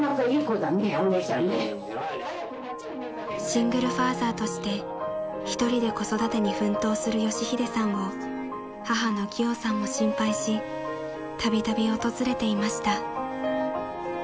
［シングルファーザーとして１人で子育てに奮闘する佳秀さんを母のキヨさんも心配したびたび訪れていました］